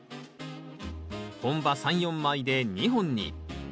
本葉３４枚で２本に。